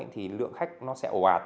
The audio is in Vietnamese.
thì lượng khách nó sẽ ổ ạt